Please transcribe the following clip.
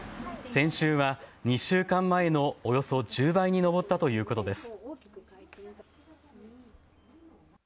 先週は２週間前のおよそ１０倍に上ったということです。